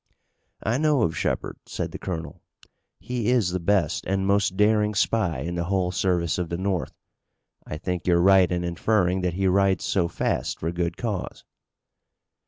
"I know of Shepard," said the colonel. "He is the best and most daring spy in the whole service of the North. I think you're right in inferring that he rides so fast for good cause."